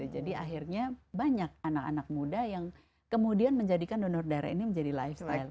akhirnya banyak anak anak muda yang kemudian menjadikan donor darah ini menjadi lifestyle